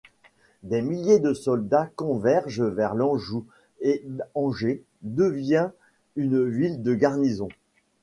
Des milliers de soldats convergent vers l’Anjou et Angers devient une ville de garnison.